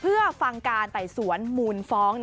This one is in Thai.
เพื่อฟังการต่ายสวนหมุนฟ้อง